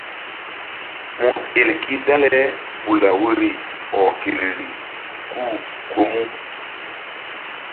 Mu el gi dale bula woyri ɔh gelri ku ko mu.